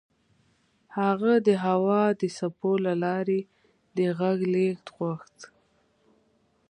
هغه د هوا د څپو له لارې د غږ لېږد غوښت